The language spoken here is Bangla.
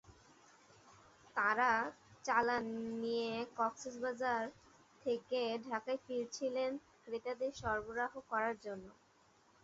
তাঁরা চালান নিয়ে কক্সবাজার থেকে ঢাকায় ফিরছিলেন ক্রেতাদের সরবরাহ করার জন্য।